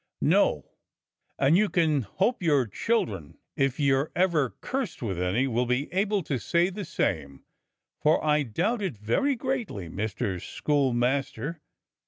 "No; and you can hope your children, if you're ever cursed with any, will be able to say the same, for I doubt it very greatly. Mister Schoolmaster.